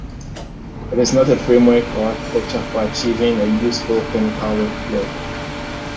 It is not a framework or architecture for achieving a useful clinical workflow.